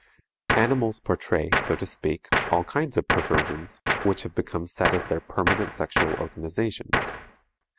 Animals portray, so to speak, all kinds of perversions which have become set as their permanent sexual organizations.